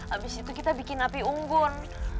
abis itu kita bikin api unggun